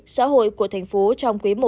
xã hội của tp hcm trong quý một